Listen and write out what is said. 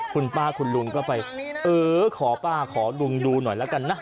คุณป้าคุณลุงก็ไปเออขอป้าขอลุงดูหน่อยแล้วกันนะ